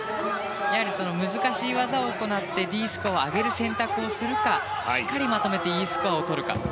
難しい技を行ってＤスコアを上げる選択をするかしっかりまとめてＥスコアをとるか。